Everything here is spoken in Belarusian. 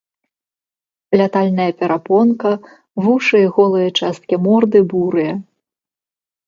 Лятальная перапонка, вушы і голыя часткі морды бурыя.